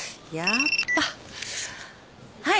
はい。